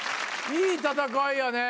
いい戦いやね。